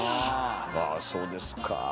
わあそうですか。